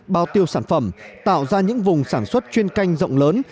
bao tiêu sản phẩm tạo ra những vùng sản xuất chuyên canh rộng lớn